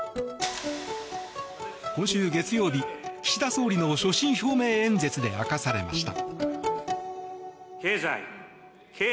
今週月曜日、岸田総理の所信表明演説で明かされました。